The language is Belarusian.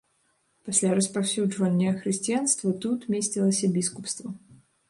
Пасля распаўсюджання хрысціянства тут месцілася біскупства.